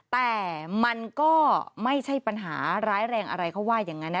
แต่มันก็ไม่ใช่ปัญหาร้ายแรงอะไรเขาว่าอย่างนั้นนะ